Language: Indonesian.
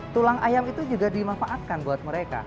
tulang ayam itu juga dimanfaatkan buat mereka